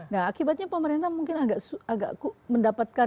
nah akibatnya pemerintah mungkin agak mendapatkan